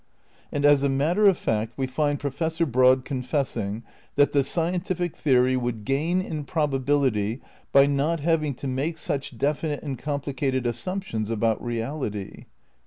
And as a matter of fact we find Professor Broad con fessing that "the scientific theory would gain in probability by not having to make such definite and complicated assumptions about reality."